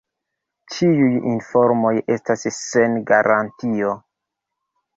Ĉiuj informoj estas sen garantio.